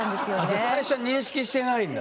じゃあ最初認識してないんだ。